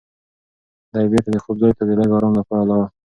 دی بېرته د خوب ځای ته د لږ ارام لپاره لاړ.